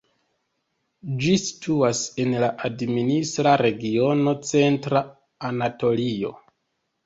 Ĝi situas en la administra regiono Centra Anatolio.